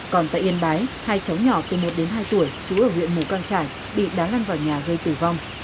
còn tại yên bái hai cháu nhỏ từ một đến hai tuổi trú ở huyện mù căng trải bị đá lăn vào nhà gây tử vong